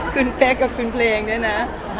คุณเป๊กกับคุณเพลงเนี่ยนะ